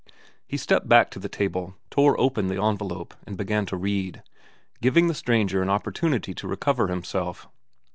He stepped back to the table, tore open the envelope, and began to read, giving the stranger an opportunity to recover himself.